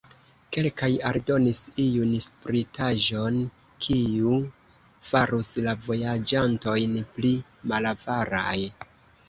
Kelkaj aldonis iun spritaĵon, kiu farus la vojaĝantojn pli malavaraj.